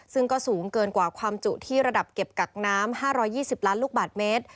ซึ่งก็สูงเกินกว่าความจุที่ระดับเก็บกักน้ำ๕๒๐ล้านลูกบาทเมตร